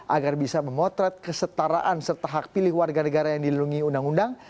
agar bisa memotret kesetaraan serta hak pilih warga negara yang dilindungi undang undang